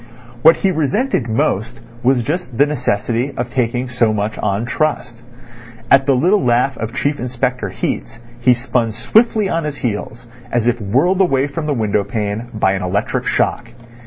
What he resented most was just the necessity of taking so much on trust. At the little laugh of Chief Inspector Heat's he spun swiftly on his heels, as if whirled away from the window pane by an electric shock.